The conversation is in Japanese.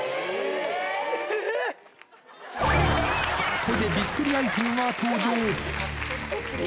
ここでびっくりアイテムが登場。